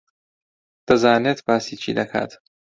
دەزانێت باسی چی دەکات.